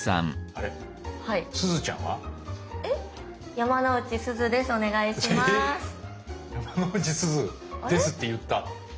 「山之内すずです」って言った。